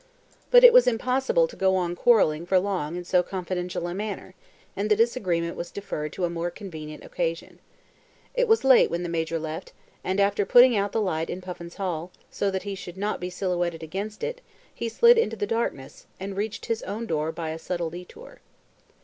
But it was impossible to go on quarrelling for long in so confidential a manner, and the disagreement was deferred to a more convenient occasion. It was late when the Major left, and after putting out the light in Puffin's hall, so that he should not be silhouetted against it, he slid into the darkness, and reached his own door by a subtle detour.